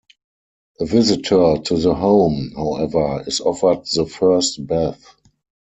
A visitor to the home, however, is offered the first bath.